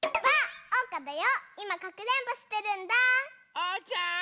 ・おうちゃん！